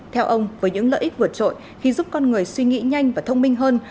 theo ông với những lợi ích vượt trội khi giúp con người suy nghĩ nhanh và thông minh hơn